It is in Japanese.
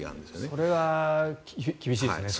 それは厳しいですね。